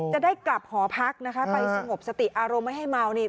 จะได้กลับหอพักนะคะไปสงบสติอารมณ์ไม่ให้เมานี่